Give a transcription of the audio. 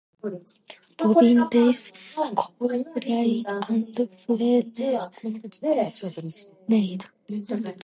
Bobbin lace, coarse linen, and flannel are made.